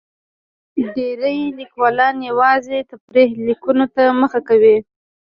ډېری لیکوالان یوازې تفریحي لیکنو ته مخه کوي.